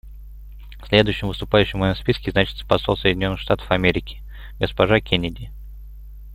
Следующим выступающим в моем списке значится посол Соединенных Штатов Америки госпожа Кеннеди.